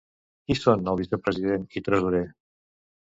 Qui són el vicepresident i tresorer?